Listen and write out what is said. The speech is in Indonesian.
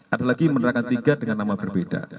ada lagi menerangkan tiga dengan nama berbeda